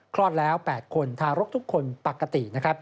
คลอดแล้ว๘คนทารกทุกคนปกติ